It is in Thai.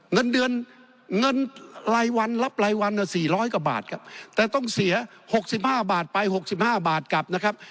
เงินเดือนเงินรายวันรับรายวัน๔๐๐กว่าบาทครับแต่ต้องเสีย๖๕บาทไป๖๕บาทกลับนะครับ